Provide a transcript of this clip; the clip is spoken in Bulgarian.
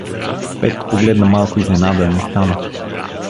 Петко погледна малко изненадан и стана.